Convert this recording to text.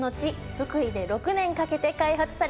福井で６年かけて開発されたお米です。